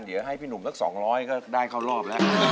เหลือให้พี่หนุ่มก็๒๐๐ก็ได้เข้ารอบแล้ว